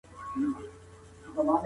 موږ له يو څخه تر سلو پوري حساب کوو.